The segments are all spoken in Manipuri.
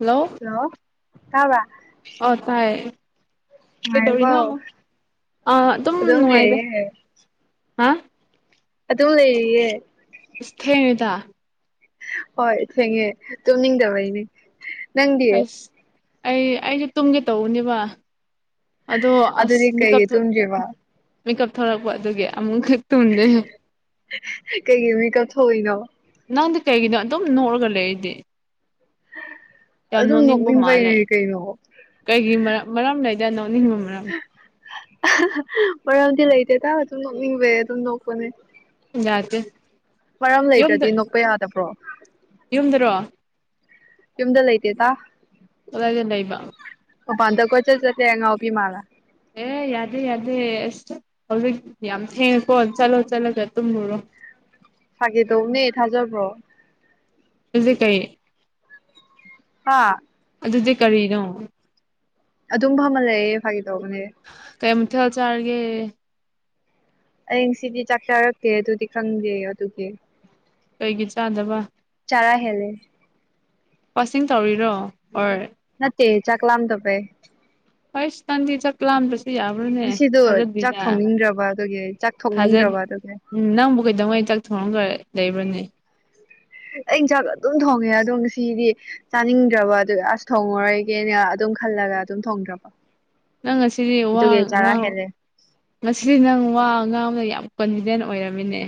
ꯍꯜꯂꯣ ꯍꯜꯂꯣ ꯇꯥꯕ꯭ꯔꯥ ꯑꯣ ꯇꯥꯏꯌꯦ ꯀꯩꯗꯧꯔꯤꯅꯣ ꯅꯨꯡꯉꯥꯏꯔꯤꯕꯣ ꯑ ꯑꯗꯨꯝ ꯅꯨꯡꯉꯥꯏꯗ ꯍꯥ ꯑꯗꯣ ꯂꯩꯔꯤꯌꯦ ꯏ꯭ꯁ ꯊꯦꯡꯉꯦꯗ ꯍꯣꯏ ꯊꯦꯡꯉꯦ ꯇꯨꯝꯅꯤꯡꯗꯕꯩꯅꯦ ꯅꯪꯗꯤ ꯑꯁ ꯑꯩ ꯑꯩꯁꯨ ꯇꯨꯝꯒꯦ ꯇꯧꯕꯅꯦꯕ ꯑꯗꯣ ꯑꯁ ꯑꯗꯨꯗꯤ ꯃꯤꯀꯞ ꯀꯩꯒꯤ ꯇꯨꯝꯗ꯭ꯔꯤꯕ ꯃꯤꯀꯞ ꯊꯣꯛꯂꯛꯄ ꯑꯗꯨꯒꯤ ꯑꯃꯨꯛꯀ ꯇꯨꯝꯗꯦ ꯀꯩꯒꯤ ꯃꯤꯀꯞ ꯊꯣꯛꯏꯅꯣ ꯅꯪꯗꯤ ꯀꯩꯒꯤꯅꯣ ꯑꯗꯨꯝ ꯅꯣꯛꫪꯒ ꯂꯩꯔꯤꯗꯤ ꯌꯥꯝ ꯑꯗꯨꯝ ꯅꯣꯛꯅꯤꯡꯕ ꯃꯥꯜꯂꯦ ꯅꯣꯛꯅꯤꯡꯕꯩꯅꯦ ꯀꯩꯅꯣ ꯀꯩꯒꯤ ꯃꯔ ꯃꯔꯝ ꯂꯩꯗ ꯅꯣꯛꯅꯤꯡꯕ ꯃꯔꯝ ꯃꯔꯝꯗꯤ ꯂꯩꯇꯦꯗ ꯑꯗꯨꯝ ꯅꯣꯛꯅꯤꯡꯕꯩ ꯑꯗꯨꯝ ꯅꯣꯛꯄꯅꯦ ꯌꯥꯗꯦ ꯃꯔꯝ ꯌꯨꯝꯗ ꯂꯩꯇ꯭ꯔꯗꯤ ꯅꯣꯛꯄ ꯌꯥꯗꯕ꯭ꯔꯣ ꯌꯨꯝꯗꯔꯣ ꯌꯨꯝꯗ ꯂꯩꯇꯦꯗ ꯀꯗꯥꯢꯗ ꯂꯩꯕ ꯃꯄꯥꯟꯗ ꯀꯣꯢꯆꯠ ꯆꯠꯂꯦ ꯑꯉꯥꯎꯕꯤ ꯃꯥꯜꯂ ꯑꯦ ꯌꯥꯗꯦ ꯌꯥꯗꯦ ꯑꯁ ꯍꯧꯖꯤꯛ ꯌꯥꯝ ꯊꯦꯡꯉꯦꯀꯣ ꯆꯠꯂꯣ ꯆꯠꯂꯒ ꯇꯨꯝꯃꯨꯔꯣ ꯐꯥꯒꯤ ꯇꯧꯕꯅꯦ ꯊꯥꯖꯕ꯭ꯔꯣ ꯗꯨꯗꯤ ꯀꯩ ꯍꯥ ꯑꯗꯨꯗꯤ ꯀꯔꯤꯅꯣ ꯑꯗꯨꯝ ꯐꯝꯃꯒ ꯂꯩ ꯐꯥꯒꯤ ꯇꯧꯕꯅꯦ ꯀꯩ ꯃꯊꯦꯜ ꯆꯥꯔꯒꯦ ꯑꯩ ꯉꯁꯤꯗꯤ ꯆꯥꯛ ꯆꯥꯔꯛꯇꯦ ꯑꯗꯨꯗꯤ ꯈꯪꯗꯦ ꯑꯗꯨꯒꯤ ꯀꯩꯒꯤ ꯆꯥꯗꯕ ꯆꯔꯥ ꯍꯦꯜꯂꯦ ꯋꯥꯁꯤꯡ ꯇꯧꯔꯤꯔꯣ ꯍꯣꯏ ꯅꯠꯇꯦ ꯆꯥꯛ ꯂꯝꯗꯕꯩ ꯍꯣꯏꯁ‌ ꯅꯪꯗꯤ ꯆꯥꯛ ꯂꯥꯗ꯭ꯔꯁꯨ ꯌꯥꯕ ꯉꯁꯤꯗꯨ ꯆꯥꯛ ꯊꯣꯡꯅꯤꯡꯗ꯭ꯔꯕ ꯑꯗꯨꯒꯤ ꯆꯥꯛ ꯊꯥꯖ ꯊꯣꯡꯅꯤꯡꯗ꯭ꯔꯕ ꯑꯗꯨꯒꯤ ꯎꯝ ꯅꯪꯕꯨ ꯀꯩꯗꯉꯩ ꯆꯥꯛ ꯊꯣꯡꯉꯒ ꯂꯩꯕ꯭ꯔꯅꯦ ꯑꯩ ꯏꯟꯁꯥꯡ ꯑꯗꯨꯝ ꯊꯣꯡꯉꯦ ꯑꯗꯣ ꯉꯁꯤꯗꯤ ꯇꯥꯅꯤꯡꯗ꯭ꯔꯥꯕ ꯑꯗꯨꯏ ꯑꯁ ꯊꯣꯡꯉꯔꯣꯏꯒꯦꯅ ꯑꯗꯨꯝ ꯈꯜꯂꯒ ꯑꯗꯨꯝ ꯊꯣꯡꯗ꯭ꯔꯥꯕ ꯅꯪ ꯉꯁꯤꯗꯤ ꯋꯥ ꯉꯥꯡꯑꯣ ꯍꯦꯜꯂꯦ ꯉꯁꯤꯗꯤ ꯅꯪ ꯋꯥ ꯑꯉꯥꯡꯕꯗ ꯌꯥꯝ ꯀꯣꯟꯐꯤꯗꯦꯟ ꯑꯣꯏꯔꯝꯃꯤꯅꯦ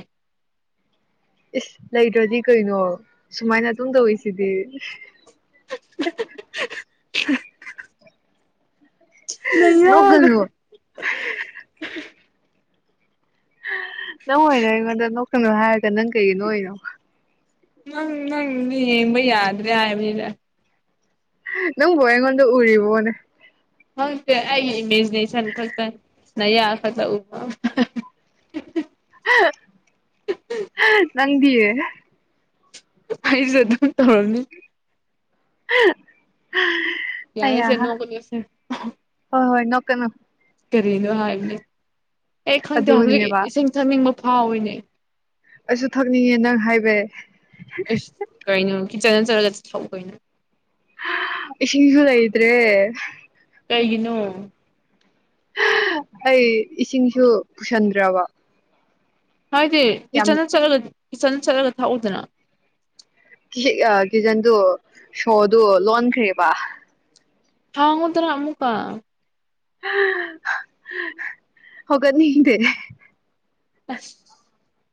ꯏꯁ ꯂꯩꯇ꯭ꯔꯗꯤ ꯀꯩꯅꯣ ꯁꯨꯃꯥꯏꯅ ꯑꯗꯨꯝ ꯇꯧꯋꯤꯁꯤꯗꯤ ꯅꯣꯛꯀꯅꯨ [unintelligible] [unintelligible] ꯅꯪ ꯑꯣꯏꯔꯦ ꯑꯩꯉꯣꯟꯗ ꯅꯣꯛꯀꯅꯣ ꯍꯥꯏꯔꯒ ꯅꯪ ꯀꯩꯒꯤ ꯅꯣꯛꯏꯅꯣ ꯅꯪ ꯅꯪ ꯃꯤ ꯌꯦꯡꯕ ꯌꯥꯗ꯭ꯔꯦ ꯍꯥꯏ꯭ꯕꯅꯤꯗꯥ [unintelligible] ꯅꯪꯕꯨ ꯑꯩꯉꯣꯟꯗ ꯎꯔꯤꯕꯣꯅꯦ ꯈꯪꯗꯦ ꯑꯩꯒꯤ ꯏꯃꯦꯖꯤꯅꯦꯁꯟ ꯈꯛꯇꯅꯤ ꯅꯌꯥ ꯈꯛꯇ ꯎꯕ [unintelligible] ꯅꯪꯗꯤ ꯑꯩꯁꯨ ꯑꯗꯨꯝ ꯇꯧꯔꯝꯅꯤ [unintelligible] ꯌꯥꯔꯦꯁꯦ ꯑꯌꯥꯍ ꯅꯣꯛꯀꯅꯨꯁꯦ ꯍꯣꯏ ꯍꯣꯏ ꯅꯣꯛꯀꯅꯨ ꯀꯔꯤꯅꯣ ꯍꯥꯏꯌꯨꯅꯦ ꯑꯩ ꯈꯪꯇꯦ ꯍꯧꯖꯤꯛ ꯑꯗꯨꯅꯦꯕ ꯏꯁꯤꯡ ꯊꯛꯅꯤꯡꯕ ꯐꯥꯎꯋꯤꯅꯦ ꯑꯩꯁꯨ ꯊꯛꯅꯤꯡꯉꯦ ꯅꯪ ꯍꯥꯏꯕꯩ ꯑꯏꯁ ꯀꯩꯔꯤꯅꯣ ꯀꯤꯠꯆꯟꯗ ꯆꯠꯂꯒ ꯊꯛꯎ ꯀꯩꯅꯣ ꯏꯁꯤꯡꯁꯨ ꯂꯩꯇ꯭ꯔꯦ ꯀꯩꯒꯤꯅꯣ ꯑꯩ ꯏꯁꯤꯡꯁꯨ ꯄꯨꯁꯤꯟꯗ꯭ꯔꯥꯕ ꯍꯥꯏꯗꯤ ꯀꯤꯠꯆꯟꯗ ꯆꯠꯂꯒ ꯀꯤꯠꯆꯟꯗ ꯆꯠꯂꯒ ꯊꯛꯎꯗꯅ ꯀꯤ ꯀꯤꯆꯟꯗꯨ ꯁꯣꯗꯨ ꯂꯣꯟꯈ꯭ꯔꯦꯕ ꯍꯥꯡꯉꯣꯗꯅ ꯑꯃꯨꯛꯀ [unintelligible] ꯍꯧꯒꯠꯅꯤꯡꯗꯦ ꯑꯁ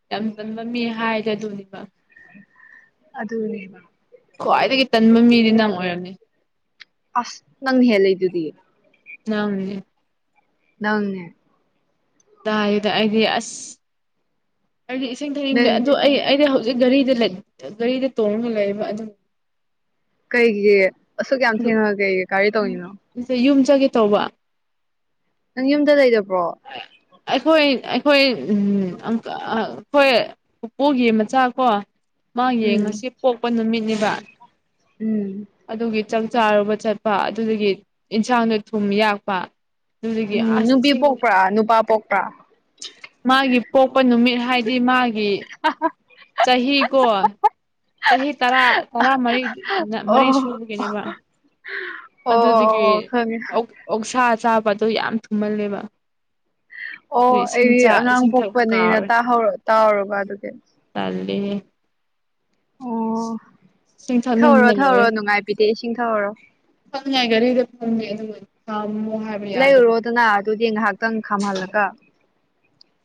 ꯌꯥꯝ ꯇꯟꯕ ꯃꯤ ꯍꯥꯏꯔꯗꯤ ꯑꯗꯨꯅꯤꯕ ꯑꯗꯨꯅꯤꯕ ꯈ꯭ꯋꯥꯏꯗꯒꯤ ꯇꯟꯕ ꯃꯤꯗꯤ ꯅꯪ ꯑꯣꯏꯔꯝꯃꯦ ꯑꯁ ꯅꯪ ꯍꯦꯜꯂꯤꯗꯨꯗꯤ ꯅꯪꯅꯦ ꯅꯪꯅꯦ ꯗꯥꯏꯌꯦꯗ ꯑꯩꯗꯤ ꯑꯁ ꯑꯩꯗꯤ ꯏꯁꯤꯡ ꯊꯛꯅꯤꯡꯗꯦ ꯅꯪꯗꯤ ꯑꯗꯨ ꯑꯩ ꯑꯩꯗꯤ ꯍꯧꯖꯤꯛ ꯒꯥꯔꯤꯗ ꯂꯩ ꯒꯥꯔꯤꯗ ꯇꯣꯡꯉꯒ ꯂꯩꯔꯕ ꯑꯗꯨꯝ ꯀꯩꯒꯤ ꯑꯁꯨꯛ ꯌꯥꯝ ꯊꯦꯡꯉꯒ ꯀꯩꯒꯤ ꯀꯔꯤ ꯇꯧꯏꯅꯣ ꯌꯨꯝ ꯆꯪꯒꯦ ꯇꯧꯕ ꯅꯪ ꯌꯨꯝꯗ ꯂꯩꯗꯕ꯭ꯔꯣ [unintelligible] ꯑꯩꯈꯣꯏ ꯑꯩꯈꯣꯏ ꯎꯝ ꯑꯥ ꯑꯥ ꯈꯣꯏ ꯄꯨꯄꯨꯒꯤ ꯃꯆꯥ ꯀꯣ ꯃꯥ ꯌꯦꯡ ꯎꯝ ꯉꯁꯤ ꯄꯣꯛꯄ ꯅꯨꯃꯤꯠꯅꯦꯕ ꯎꯝ ꯑꯗꯨꯒꯤ ꯆꯥꯛ ꯆꯥꯔꯨꯕ ꯆꯠꯄ ꯑꯗꯨꯗꯨꯒꯤ ꯏꯟꯁꯥꯡꯗꯣ ꯊꯨꯝ ꯌꯥꯛꯄ ꯑꯗꯨꯗꯒꯤ ꯎꯝ ꯑꯁ ꯅꯨꯄꯤ ꯁꯤꯡ ꯄꯣꯛꯄ꯭ꯔꯥ ꯅꯨꯄꯥ ꯄꯣꯛꯄ꯭ꯔꯥ ꯃꯥꯒꯤ ꯄꯣꯛꯄ ꯅꯨꯃꯤꯠ ꯍꯥꯏꯗꯤ ꯃꯥꯒꯤ [unintelligible] ꯆꯍꯤ ꯀꯣ ꯆꯍꯤ ꯇꯔꯥ ꯇꯔꯥꯃꯔꯤ ꯃꯔꯤ ꯑꯣ ꯁꯨꯕꯒꯤꯅꯦꯕ ꯑꯣ ꯑꯣ ꯑꯗꯨꯗꯒꯤ ꯑꯣ ꯈꯪꯉꯦ ꯑꯣꯛꯁꯥ ꯆꯥꯕ ꯑꯗꯣ ꯌꯥꯝ ꯊꯨꯝꯃꯜꯂꯦꯕ ꯑꯣ ꯑꯗꯨ ꯏꯁꯤꯡ ꯑꯩ ꯆꯥ ꯑꯉꯥꯡ ꯏꯁꯤꯡ ꯊꯛꯄ ꯄꯣꯛꯄꯅꯤꯅ ꯀꯥꯎꯔꯦ ꯇꯥꯍꯧ ꯇꯥꯍꯧꯔꯕ ꯑꯗꯨꯒꯤ ꯇꯜꯂꯦꯍꯦ ꯑꯣ ꯏꯁꯤꯡ ꯊꯧꯎꯔꯣ ꯊꯛꯅꯤꯡꯕꯅ ꯂꯣꯏꯔꯦ ꯊꯧꯎꯔꯣ ꯅꯨꯡꯉꯥꯏꯕꯤꯗꯦ ꯏꯁꯤꯡ ꯊꯧꯎꯔꯣ [unintelligible] ꯂꯩꯔꯨꯔꯣꯗꯅ ꯑꯗꯨꯗꯤ ꯉꯍꯥꯛꯇꯪ ꯈꯥꯝꯍꯜꯂꯒ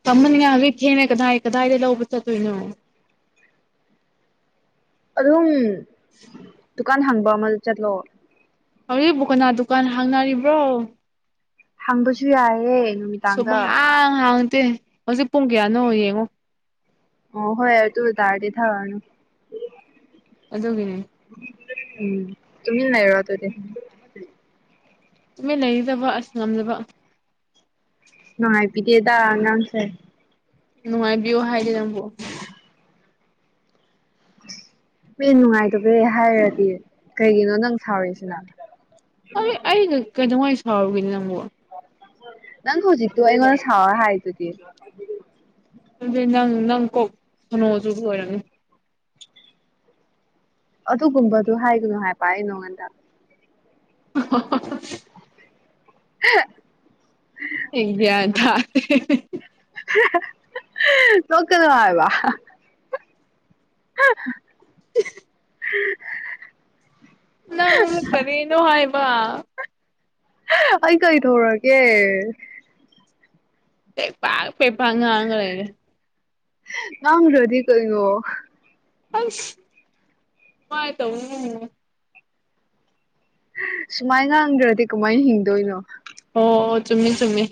ꯊꯦꯡꯉꯦ ꯀꯗꯥꯏ ꯀꯗꯥꯏꯗ ꯂꯧꯕ ꯆꯠꯇꯣꯏꯅꯣ ꯑꯗꯨꯝ ꯗꯨꯀꯥꯟ ꯍꯥꯡꯕ ꯑꯃꯗ ꯆꯠꯂꯣ ꯍꯧꯖꯤꯛꯕꯨ ꯀꯅꯥ ꯗꯨꯀꯥꯟ ꯍꯥꯡꯅꯔꯤꯕ꯭ꯔꯣ ꯍꯥꯡꯕꯁꯨ ꯌꯥꯏꯌꯦ ꯅꯨꯃꯤꯗꯥꯡꯗ ꯁꯨꯞꯍꯥꯡ ꯍꯥꯡꯇꯦ ꯍꯧꯖꯤꯛ ꯄꯨꯡ ꯀꯌꯥꯅꯣ ꯌꯦꯡꯉꯣ ꯑꯣ ꯍꯣꯏ ꯑꯗꯨ ꯇꯔꯥꯗꯤ ꯊꯥꯛ ꯎꯔꯅꯨ ꯑꯗꯨꯒꯤꯅꯤ ꯎꯝ ꯇꯨꯃꯤꯟ ꯂꯩꯔꯣ ꯑꯗꯨꯗꯤ ꯇꯨꯃꯤꯟ ꯂꯩꯒꯗꯕ ꯑꯁ ꯉꯝꯗꯕ ꯅꯨꯡꯉꯥꯏꯕꯤꯗꯦꯗ ꯅꯪꯁꯦ ꯅꯨꯡꯉꯥꯏꯕꯤꯌꯨ ꯍꯥꯏꯗꯦ ꯅꯪꯕꯨ ꯃꯤ ꯅꯨꯡꯉꯥꯏꯇꯕꯗꯩꯩ ꯍꯥꯏꯔꯗꯤ ꯀꯩꯒꯤꯅꯣ ꯅꯪ ꯁꯥꯎꯔꯤꯁꯤꯅ ꯑꯩ ꯑꯩꯩꯅ ꯀꯩꯗꯧꯉꯩ ꯁꯥꯎꯔꯒꯦꯅꯦ ꯅꯪꯕꯨ ꯅꯪ ꯍꯧꯖꯤꯛ ꯇꯨ ꯑꯩꯉꯣꯟꯗ ꯁꯥꯎꯔ ꯍꯥꯏꯗꯨꯗꯤ ꯑꯗꯨꯗꯤ ꯅꯪ ꯅꯪ ꯀꯣꯛ ꯁꯣꯅꯣ ꯆꯨꯕ ꯑꯣꯏꯔꯝꯅꯤ ꯑꯗꯨꯒꯨꯝꯕꯗꯨ ꯍꯥꯏꯒꯅꯨ ꯍꯥꯏꯕ ꯑꯩ ꯅꯉꯣꯟꯗ [unintelligible] [unintelligible] ꯑꯩ ꯒꯌ꯭ꯥꯟ ꯇꯥꯔꯦ ꯅꯣꯛꯀꯥꯅꯨ ꯍꯥꯏꯕ [unintelligible] [unintelligible] [unintelligible] ꯅꯪ ꯀꯔꯤꯅꯣ ꯍꯥꯏꯕ ꯑꯩ ꯀꯩꯗꯧꯔꯒꯦ ꯄꯦꯄꯥꯛ ꯄꯦꯄꯥ ꯉꯥꯡꯔꯒ ꯂꯩꯔꯦ ꯉꯥꯡꯗ꯭ꯔꯗꯤ ꯀꯩꯅꯣ ꯑꯥꯏ꯭ꯁ ꯀꯃꯥꯏ ꯇꯧꯅꯨ ꯁꯨꯃꯥꯏ ꯉꯥꯡꯗ꯭ꯔꯗꯤ ꯀꯃꯥꯏ ꯍꯤꯡꯗꯣꯏꯅꯣ ꯑꯣ ꯆꯨꯝꯃꯤ ꯆꯨꯝꯃꯤ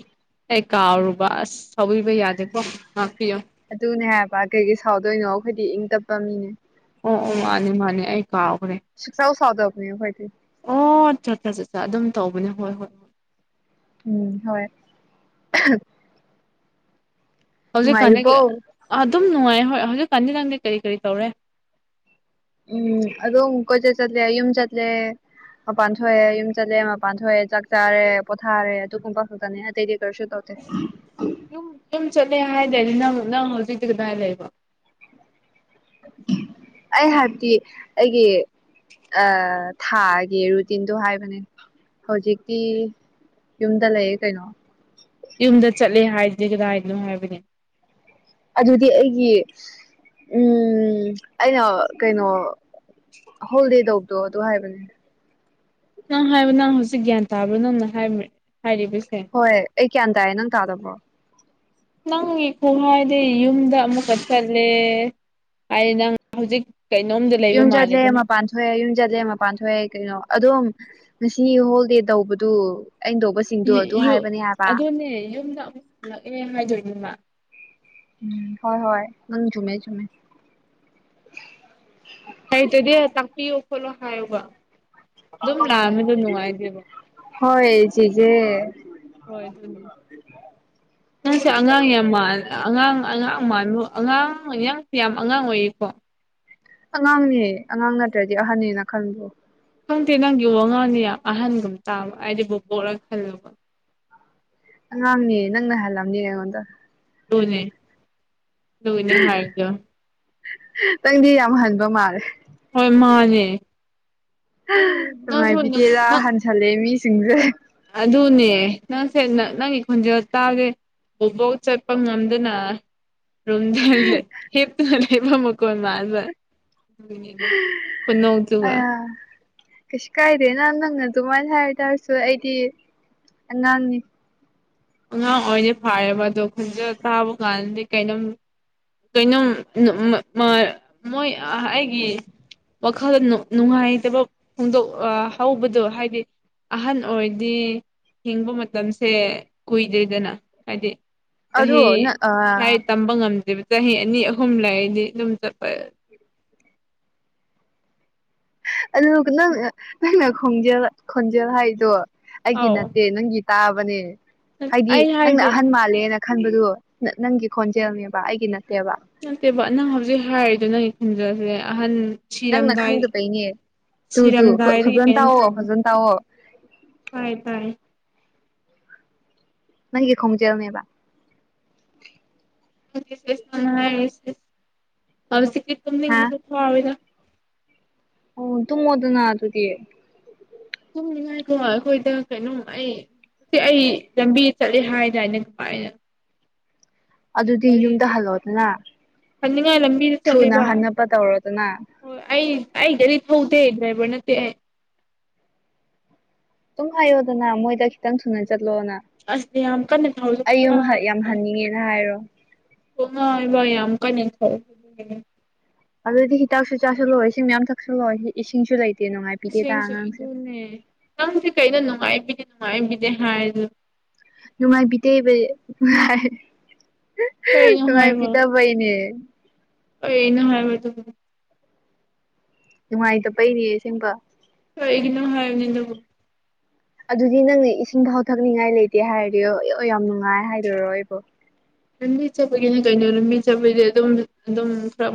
ꯑꯩ ꯀꯥꯎꯔꯨꯕ ꯑꯁ ꯁꯥꯎꯕꯤꯕ ꯌꯥꯗꯦꯀꯣ ꯉꯥꯛꯄꯤꯌꯣ ꯑꯗꯨꯅꯦ ꯍꯥꯏꯕ ꯀꯩꯒꯤ ꯁꯥꯎꯗꯣꯏꯅꯣ ꯑꯈꯣꯏꯗꯤ ꯏꯪ ꯇꯞꯄ ꯃꯤꯅꯦ ꯑꯣ ꯑꯣ ꯃꯥꯅꯦ ꯃꯥꯅꯦ ꯑꯩ ꯀꯥꯎꯈ꯭ꯔꯦ ꯁꯨꯀꯁꯥꯎ ꯁꯥꯎꯗꯕꯅꯤ ꯑꯈꯣꯏꯗꯤ ꯍꯣꯠ ꯆꯠ ꯆ ꯆ ꯑꯗꯨꯝ ꯇꯧꯕꯅꯦ ꯍꯣꯏ ꯍꯣꯏ ꯎꯝ ꯍꯣꯏ ꯅꯨꯡꯉꯥꯏꯔꯤꯕꯣ ꯍꯧꯖꯤꯛꯀꯥꯟꯗꯒꯤ ꯑꯗꯨꯝ ꯅꯨꯡꯉꯥꯏ ꯍꯣꯏ ꯍꯧꯖꯤꯛꯀꯥꯟꯗꯤ ꯅꯪꯗꯤ ꯀꯔꯤ ꯀꯔꯤ ꯇꯧꯔꯦ ꯎꯝ ꯑꯗꯨꯝ ꯀꯣꯏꯆꯠ ꯆꯠꯂꯦ ꯌꯨꯝ ꯆꯠꯂꯦ ꯃꯄꯥꯟ ꯊꯣꯛꯑꯦ ꯌꯨꯝ ꯆꯠꯂꯦ ꯃꯄꯥꯟ ꯊꯣꯛꯑꯦ ꯆꯥꯛ ꯆꯥꯔꯦ ꯄꯣꯊꯥꯔꯦ ꯑꯗꯨꯒꯨꯝꯕ ꯈꯛꯇꯅꯦ ꯑꯇꯩꯗꯤ ꯀꯔꯤꯁꯨ ꯇꯧꯗꯦ [unintelligible] ꯌꯨꯝ ꯌꯨꯝ ꯆꯠꯂꯦ ꯍꯥꯏꯗꯥꯏꯅꯦ ꯅꯪ ꯅꯪ ꯍꯧꯖꯤꯛꯇꯤ ꯀꯗꯥꯏ ꯂꯩꯕ ꯑꯩ ꯍꯥꯏꯕꯗꯤ ꯑꯩꯒꯤ ꯑ ꯊꯥꯒꯤ ꯔꯨꯇꯤꯟꯗꯨ ꯍꯥꯏꯕꯅꯤ ꯍꯧꯖꯤꯛꯇꯤ ꯌꯨꯝꯗ ꯂꯩꯌꯦ ꯀꯩꯅꯣ ꯌꯨꯝꯗ ꯆꯠꯂꯦ ꯍꯥꯏꯗꯤ ꯀꯗꯥꯏꯗꯅꯣ ꯍꯥꯏꯕꯅꯦ ꯑꯗꯨꯗꯤ ꯑꯩꯒꯤ ꯎꯝ ꯑꯩꯅ ꯀꯩꯅꯣ ꯍꯣꯜꯗꯦ ꯇꯧꯕꯗꯣ ꯑꯗꯨ ꯍꯥꯏꯕꯅꯦ ꯅꯪ ꯍꯥꯏꯌꯣ ꯅꯪ ꯍꯧꯖꯤꯛ ꯒ꯭ꯌꯥꯟ ꯇꯥꯕ ꯅꯪꯅ ꯍꯥꯏꯕ꯭ꯔ ꯍꯣꯏ ꯑꯩ ꯒ꯭ꯌꯥꯟ ꯇꯥꯌꯦ ꯅꯪ ꯇꯥꯗꯕ꯭ꯔꯣ ꯅꯪꯒꯤ ꯈꯨꯍꯥꯏꯗꯤ ꯌꯨꯝꯗ ꯑꯃꯨꯛꯀ ꯆꯠꯂꯦ ꯍꯥꯏꯗꯤ ꯅꯪ ꯍꯧꯖꯤꯛ ꯀꯩꯅꯣꯝꯗꯤ ꯂꯩꯕ ꯌꯨꯝ ꯆꯠꯂꯦ ꯃꯥꯜꯂꯦꯗꯅ ꯃꯄꯥꯟ ꯊꯣꯛꯑꯦ ꯌꯨꯝ ꯆꯠꯂꯦ ꯃꯄꯥꯟ ꯊꯣꯛꯑꯦ ꯀꯩꯅꯣ ꯑꯗꯨꯝ ꯉꯁꯤ ꯍꯣꯜꯗꯦ ꯇꯧꯕꯗꯨ ꯑꯩꯅ ꯇꯧꯕ ꯑꯗꯨꯅꯦ ꯌꯨꯝꯗ ꯑꯃꯨꯛ ꯍꯜꯂꯛꯑꯦ ꯍꯥꯏꯗꯣꯏꯅꯦꯕ ꯎꯝ ꯍꯣꯏ ꯍꯣꯏ ꯅꯪ ꯆꯨꯝꯃꯦ ꯆꯨꯨꯝꯃꯦ ꯍꯩꯇꯗꯤ ꯇꯥꯛꯄꯤꯌꯣ ꯈꯣꯠꯂꯣ ꯍꯥꯏꯌꯣꯕ ꯑꯗꯨꯝ ꯂꯥꯟꯕꯗꯣ ꯅꯨꯡꯉꯥꯏꯗꯦꯕ ꯍꯣꯏ ꯆꯤꯆꯦ ꯍꯣꯏ ꯑꯗꯨꯅꯤ [inaudible] ꯅꯪꯁꯦ ꯑꯉꯥꯡ ꯌꯥꯝ ꯃꯥꯜ ꯑꯉꯥꯡ ꯑꯉꯥꯡ ꯃꯥꯜꯕꯨ ꯑꯉꯥꯡ ꯅꯪꯁꯦ ꯌꯥꯝ ꯑꯉꯥꯡ ꯑꯣꯏꯌꯦꯀꯣ ꯑꯉꯥꯡꯅꯦ ꯑꯉꯥꯡ ꯅꯠꯇ꯭ꯔꯗꯤ ꯑꯍꯟꯅꯦꯅ ꯈꯟꯕ꯭ꯔꯣ ꯈꯪꯗꯦ ꯅꯪꯒꯤ ꯋꯥꯉꯥꯡꯅꯤ ꯌꯥꯝ ꯑꯍꯟꯒꯨꯝ ꯇꯥꯕ ꯑꯩꯗꯤ ꯕꯨꯕꯣꯛꯂ ꯈꯜꯂꯨꯕ ꯑꯉꯥꯡꯅꯤ ꯅꯪꯅ ꯍꯜꯂꯝꯅꯤ ꯑꯩꯉꯣꯟꯗ ꯑꯗꯨꯅꯦ ꯑꯗꯨꯒꯤꯅꯦ ꯍꯥꯏꯗꯣ ꯅꯪꯗꯤ ꯌꯥꯝ ꯍꯟꯕ ꯃꯥꯜꯂꯦ ꯍꯣꯏ ꯃꯥꯅꯦ [unintelligible] ꯊꯂꯦ ꯃꯤꯁꯤꯡꯁꯦ ꯑꯗꯨꯅꯦ ꯅꯪꯁꯦ ꯅꯪ ꯅꯪꯒꯤ ꯈꯣꯟꯖꯦꯜ ꯇꯥꯕꯁꯦ ꯕꯨꯕꯣꯛ ꯆꯠꯄ ꯉꯝꯗꯅ ꯔꯨꯝꯗ ꯂꯩ ꯍꯤꯞꯂ ꯂꯩꯕ ꯃꯈꯣꯟ ꯃꯥꯟꯕ ꯈꯨꯅꯣꯛꯇꯨꯒ ꯑꯌꯥ ꯀꯩꯁꯨ ꯀꯥꯏꯗꯦꯅ ꯅꯪꯅ ꯑꯗꯨꯃꯥꯏꯅ ꯍꯥꯏꯔ ꯇꯥꯔꯁꯨ ꯑꯩꯗꯤ ꯑꯉꯥꯡꯅꯤ ꯑꯉꯥꯡ ꯑꯣꯏꯔꯗꯤ ꯐꯥꯔꯦꯕ ꯑꯗꯣ ꯈꯣꯟꯖꯦꯟ ꯇꯥꯕ ꯀꯥꯟꯗꯗꯤ ꯀꯩꯅꯣꯝ ꯀꯩꯅꯣꯝ [unintelligible] ꯃꯣꯏ ꯑꯥ ꯑꯩꯒꯤ ꯋꯥꯈꯜ ꯅꯨꯡ ꯅꯨꯡꯉꯥꯏꯇꯕ ꯐꯣꯡꯗꯣꯛ ꯑ ꯍꯧꯕꯗꯣ ꯍꯥꯏꯗꯤ ꯑꯍꯟ ꯑꯣꯏꯔꯗꯤ ꯍꯤꯡꯕ ꯃꯇꯝꯁꯦ ꯀꯨꯏꯗꯦꯗꯅ ꯍꯥꯏꯗꯤ ꯑꯗꯣ ꯆꯍꯤ ꯅꯪ ꯑꯥ ꯍꯥꯏ ꯇꯝꯕ ꯉꯝꯗꯦꯕ ꯆꯍꯤ ꯑꯅꯤ ꯑꯍꯨꯝ ꯂꯩꯗꯤ ꯑꯗꯨꯝ ꯆꯠꯄ ꯑꯗꯨ ꯅꯪ ꯅꯪꯅ ꯈꯣꯡꯖꯦꯜ ꯈꯣꯟꯖꯦꯜ ꯍꯥꯏꯗꯣ ꯑꯩꯒꯤ ꯑꯧ ꯅꯠꯇꯦ ꯅꯪꯒꯤ ꯇꯥꯕꯅꯦ ꯍꯥꯏꯗꯤ ꯑꯩ ꯅꯪꯅ ꯍꯥꯏꯕꯗꯤ ꯑꯍꯟ ꯃꯥꯜꯂꯦꯅ ꯈꯟꯕꯗꯨ ꯅ ꯅꯪꯒꯤ ꯈꯣꯟꯖꯦꯜꯅꯦꯕ ꯑꯩꯒꯤ ꯅꯠꯇꯦꯕ ꯅꯠꯇꯦꯕ ꯅꯪ ꯍꯧꯖꯤꯛ ꯍꯥꯏꯔꯤꯗꯨ ꯅꯪꯒꯤ ꯈꯣꯟꯖꯦꯜꯅꯦ ꯑꯍꯟ ꯅꯪꯅ ꯁꯤꯔꯝꯗꯥꯏ ꯈꯪꯗꯕꯩꯅꯦ ꯇꯨ ꯇꯨ ꯁꯤꯔꯝꯗꯥꯏꯗꯒꯤ ꯐꯖꯅ ꯀꯩꯅꯣꯝ ꯇꯥꯛꯑꯣ ꯇꯧꯕ ꯐꯖꯅ ꯇꯥꯛꯑꯣ ꯐꯥꯏ ꯐꯥꯏ ꯅꯪꯒꯤ ꯈꯣꯡꯖꯦꯜꯅꯦꯕ [unintelligible] ꯍꯧꯖꯤꯛꯇꯤ ꯍꯥ ꯇꯨꯝꯅꯤꯡꯕꯁꯨ ꯐꯥꯎꯋꯤꯗ ꯑꯣ ꯇꯨꯝꯃꯣꯗꯅꯥ ꯑꯗꯨꯗꯤ ꯇꯨꯝꯅꯤꯡꯉꯥꯏꯗꯣ ꯑꯩꯈꯣꯏꯗ ꯀꯩꯅꯣ ꯑꯩ ꯁꯤ ꯑꯩ ꯂꯝꯕꯤ ꯆꯠꯂꯦ ꯍꯥꯏꯗꯥꯏꯅꯦ ꯁꯨꯃꯥꯏꯅ ꯑꯗꯨꯗꯤ ꯌꯨꯝꯗ ꯒꯥꯔꯤꯖꯦ ꯍꯜꯂꯣꯗꯅ ꯐꯅꯤꯡꯉꯥꯏ ꯂꯝꯕꯤꯗ ꯊꯨꯅ ꯆꯠꯂꯤꯕ ꯍꯟꯅꯕ ꯇꯧꯔꯣꯗꯅ ꯍꯣꯏ ꯑꯩ ꯑꯩ ꯒꯥꯔꯤ ꯊꯧꯗꯦ ꯗ꯭ꯔꯥꯏꯚꯔ ꯅꯠꯇꯦ ꯑꯩ ꯗꯨꯨꯝ ꯍꯥꯏꯌꯣꯗꯅ ꯃꯣꯏꯗ ꯈꯤꯇꯪ ꯊꯨꯅ ꯆꯠꯂꯣꯅ ꯑꯁ ꯌꯥꯝ ꯀꯟꯅ ꯊꯧꯔꯁꯨ ꯑꯩ ꯀꯣꯛ ꯌꯨꯝ ꯌꯥꯝ ꯉꯥꯎꯋꯦꯕ ꯍꯟꯅꯤꯡꯉꯦꯅ ꯍꯥꯏꯔꯣ [unintelligible] ꯑꯗꯨꯗꯤ ꯍꯤꯗꯥꯛꯁꯨ ꯆꯥꯁꯜꯂꯣ ꯏꯁꯤꯡ ꯃꯌꯥꯝ ꯊꯛꯆꯜꯂꯣ ꯏꯁꯤꯡꯁꯨ ꯂꯩꯇꯦ ꯅꯨꯡꯉꯥꯏ ꯏꯁꯤꯡꯁꯨ ꯑꯗꯨꯅꯦ ꯅꯪꯁꯦ ꯀꯩꯅꯣ ꯅꯨꯡꯉꯥꯏꯕꯤꯗꯦ ꯅꯨꯡꯉꯥꯏꯕꯤꯗꯦ ꯍꯥꯏ ꯑꯗꯨꯝ ꯅꯨꯡꯉꯥꯏꯕꯤꯗꯦꯕꯤ ꯀꯩꯅꯣ ꯍꯥꯏꯕ ꯅꯨꯡꯉꯥꯏꯕꯤꯗꯕ ꯍꯣꯏꯅꯦ ꯀꯩꯅꯣ ꯍꯥꯏꯕꯗꯨ ꯅꯨꯡꯉꯥꯏꯇꯕꯩꯅꯦ ꯑꯁꯦꯡꯕ ꯀꯤꯒꯤꯅꯣ ꯍꯥꯏꯕꯅꯦ ꯑꯗꯨꯕꯨ ꯑꯗꯨꯗꯤ ꯅꯪꯅ ꯏꯁꯤꯡ ꯐꯥꯎ ꯊꯛꯅꯤꯡꯉꯥꯏ ꯂꯩꯇꯦ ꯍꯥꯏꯔꯗꯤ ꯌꯣ ꯌꯥꯝ ꯅꯨꯡꯉꯥꯏ ꯍꯥꯏꯗꯣꯏꯔꯣ ꯑꯩꯕꯨ ꯂꯝꯕꯤ ꯆꯠꯄꯒꯤꯅꯤ ꯀꯩꯅꯣ ꯂꯝꯕꯤ ꯆꯠꯄꯩꯗꯤ ꯑꯗꯨꯝ ꯑꯗꯨꯝ ꯈꯔ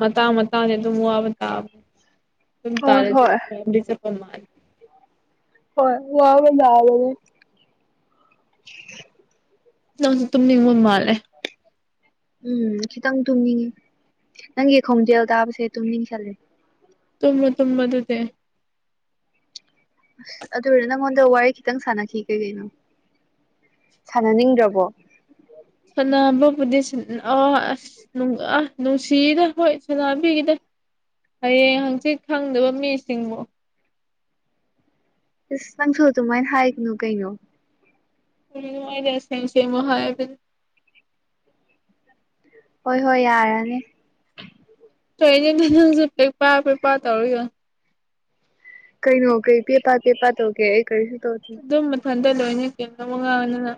ꯃꯇꯥꯥꯡ ꯃꯇꯥꯡꯅꯦ ꯑꯗꯨꯨꯝ ꯋꯥꯕ ꯇꯕ [inaudible] ꯗꯨꯝ ꯇꯥꯔꯦꯖꯦ ꯍꯣꯏ ꯑꯗꯨꯝꯗꯤ ꯆꯥꯄ ꯃꯥꯜꯂꯦ ꯍꯣꯏ ꯋꯥꯕꯇꯕꯅꯤ ꯅꯪꯁꯨ ꯇꯨꯝꯅꯤꯡꯕ ꯃꯥꯜꯂꯦ ꯎꯝ ꯈꯤꯇꯪ ꯇꯨꯝꯅꯤꯡꯉꯤ ꯅꯪꯒꯤ ꯈꯣꯡꯖꯦꯜ ꯇꯥꯕꯁꯦ ꯇꯨꯝꯅꯤꯡꯁꯜꯂꯦ ꯇꯂꯤ ꯇꯨꯝꯃꯣ ꯑꯗꯨꯗꯤ ꯑꯁ ꯑꯗꯨꯔ ꯅꯪꯉꯣꯟꯗ ꯋꯥꯔꯤ ꯈꯤꯇꯪ ꯁꯥꯟꯅꯈꯤꯒꯦ ꯀꯩꯅꯣ ꯁꯥꯟꯅꯅꯤꯡꯗ꯭ꯔꯕꯣ ꯁꯥꯅꯕꯕꯨꯗꯤ ꯁꯥꯟ ꯑꯣ ꯑꯁ ꯅꯨ ꯑꯥ ꯅꯨꯡꯁꯤꯗ ꯍꯣꯏ ꯁꯅꯥꯕꯤꯒꯦꯗ ꯍꯌꯦꯡ ꯍꯪꯆꯤꯠ ꯈꯪꯗꯕ ꯃꯤꯁꯤꯡꯕꯨ ꯑꯁ ꯅꯪꯁꯨ ꯑꯗꯨꯃꯥꯏꯟ ꯍꯥꯏꯒꯅꯨ ꯀꯩꯅꯣ ꯀꯔꯤꯅꯣ ꯑꯩꯗꯤ ꯑꯁꯦꯡ ꯑꯁꯦ ꯍꯥꯏꯕꯅꯤ ꯍꯣꯏ ꯍꯣꯏ ꯌꯥꯔꯅꯤ ꯀꯩꯅꯣꯗ ꯅꯪꯁꯨ ꯄꯦ ꯄꯥ ꯄꯦꯄꯥ ꯇꯧꯔꯒ ꯀꯩꯅꯣ ꯀꯩ ꯄꯦ ꯄꯥ ꯄꯦ ꯄꯥ ꯇꯧꯒꯦ ꯑꯩ ꯀꯔꯤꯁꯨ ꯇꯧ ꯑꯗꯨꯝ ꯃꯊꯟꯇ ꯂꯣꯏꯅ ꯀꯦꯝꯅꯕ ꯉꯥꯡꯗꯅ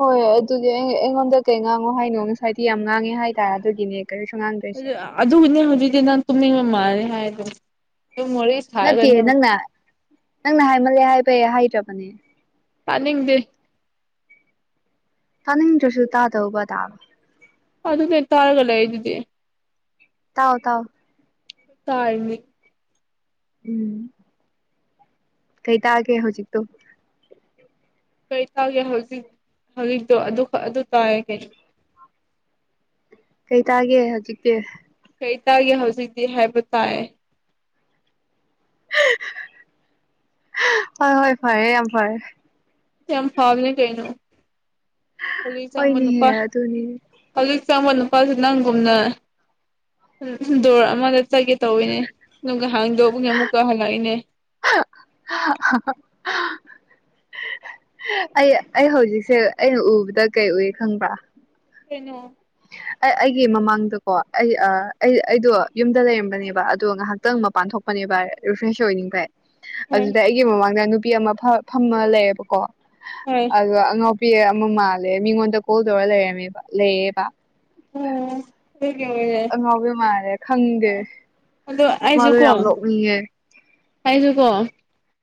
ꯍꯣꯏ ꯑꯗꯨꯗꯤ ꯑꯩ ꯑꯩꯉꯣꯟꯗ ꯀꯩ ꯉꯥꯡꯉꯣ ꯍꯥꯏꯅꯣ ꯉꯁꯥꯏꯗꯤ ꯌꯥꯝ ꯉꯥꯡꯉꯦ ꯍꯥꯏꯇꯥꯏ ꯑꯗꯨꯒꯤꯅꯦ ꯀꯔꯤꯁꯨ ꯉꯥꯡ ꯑꯗꯨ ꯑꯗꯨꯒꯤꯅꯦ ꯍꯧꯖꯤꯛꯇꯤ ꯅꯪ ꯇꯨꯝꯅꯤꯡꯕ ꯃꯥꯜꯂꯦ ꯍꯥꯏꯗꯣ ꯗꯨꯝ ꯋꯥꯔꯤꯁ ꯅꯠꯇꯦ ꯅꯪꯅ ꯅꯪꯅ ꯍꯥꯏꯃꯜꯂꯦ ꯍꯥꯏꯕꯩ ꯍꯥꯏꯗ꯭ꯔꯕꯅꯦ ꯇꯅꯤꯡꯗꯦ ꯇꯥꯅꯤꯡꯗ꯭ꯔꯁꯨ ꯇꯥꯗꯧꯕ ꯇꯥꯕ ꯑꯗꯨꯅꯦ ꯇꯔꯒ ꯂꯩꯗꯨꯗꯤ ꯇꯥꯎ ꯇꯥꯎ ꯇꯥꯥꯏꯃꯤ ꯎꯝ ꯀꯩ ꯇꯥꯒꯦ ꯍꯧꯖꯤꯛꯇꯣ ꯀꯩ ꯇꯒꯦ ꯍꯧꯖꯤꯛ ꯍꯧꯖꯤꯛꯇꯣ ꯑꯗꯨꯈꯛ ꯑꯗꯨ ꯇꯥꯏ ꯀꯩꯁꯨ ꯀꯩ ꯇꯥꯒꯦ ꯍꯧꯖꯤꯛꯇꯤ ꯀꯩ ꯇꯒꯦ ꯍꯧꯖꯤꯛꯇꯤ ꯍꯥꯏꯕ ꯇꯥꯏ ꯍꯣꯏ ꯍꯣꯏ ꯐꯔꯦ ꯌꯥꯝ ꯐꯔꯦ ꯌꯥꯝ ꯐꯥꯕꯅꯤ ꯀꯩꯅꯣ [inaudible] ꯆꯪꯕ ꯍꯣꯏꯅꯦꯍꯦ ꯅꯨꯄꯥ ꯑꯗꯨꯅꯦ ꯍꯧꯖꯤꯛ ꯆꯪꯕ ꯅꯨꯄꯥꯁꯗꯨ ꯅꯪꯒꯨꯝꯅ ꯗꯣꯔ ꯑꯃꯗ ꯆꯒꯦ ꯇꯧꯔꯤꯅꯦ ꯑꯗꯨꯒꯥ ꯍꯥꯡꯗꯧꯕꯅ ꯑꯃꯨꯛꯀ ꯍꯜꯂꯛꯏꯅꯦ [unintelligible] ꯑꯩ ꯑꯩ ꯍꯧꯖꯤꯛꯁꯦ ꯑꯩꯅ ꯎꯕꯗ ꯀꯩ ꯎꯏ ꯈꯪꯕ꯭ꯔꯥ ꯀꯩꯅꫭ ꯑꯩ ꯑꯩꯒꯤ ꯃꯃꯥꯡꯗꯀꯣ ꯑꯩ ꯑꯩ ꯑꯩꯗꯣ ꯌꯨꯝꯗ ꯂꯩꯔꯝꯕꯅꯦꯕ ꯑꯗꯣ ꯉꯥꯏꯍꯥꯛꯇꯪ ꯃꯄꯥꯟ ꯊꯣꯛꯄ ꯄꯅꯤꯕ ꯔꯤꯐ꯭ꯔꯦꯁ ꯑꯣꯏꯅꯤꯡꯕꯩ ꯍꯣꯏ ꯑꯗꯨꯗ ꯑꯩꯒꯤ ꯃꯃꯥꯡꯗ ꯅꯨꯄꯤ ꯑꯃ ꯐꯝꯃ ꯂꯩꯌꯦꯕꯀꯣ ꯍꫭꯏ ꯑꯗꯣ ꯑꯉꯥꯎꯄꯤ ꯑꯃ ꯃꯥꯜꯂꯦ ꯃꯤꯉꯣꯟꯗ ꯀꯣꯜ ꯇꯧꯔ ꯂꯩꯔꯝꯃꯦꯕ ꯂꯩꯌꯦꯕ ꯎꯝ ꯑꯉꯥꯎꯕꯤ ꯃꯥꯜꯂꯦ ꯈꯪꯗꯦ [unintelligible] ꯑꯗꯨ ꯑꯩꯁꯨ ꯃꯥꯗꯣ ꯌꯥꯝ ꯀꫭ ꯅꯣꯛꯅꯤꯡꯉꯦ ꯑꯩꯁꯨ ꯀꯣ